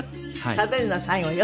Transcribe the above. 食べるのは最後よ。